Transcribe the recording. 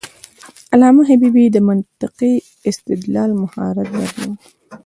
علامه حبيبي د منطقي استدلال مهارت درلود.